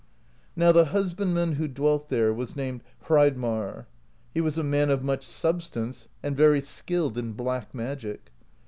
Now the husbandman who dwelt there was named Hreid marr : he was a man of much substance, and very skilled in black magic.